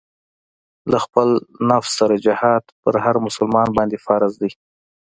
له خپل نفس سره جهاد پر هر مسلمان باندې فرض دی.